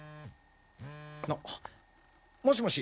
あもしもし。